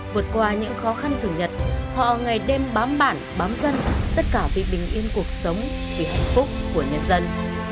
vượt qua những khó khăn thử nhật họ ngày đêm bám bản bám dân tất cả vì bình yên cuộc sống vì hạnh phúc của nhân dân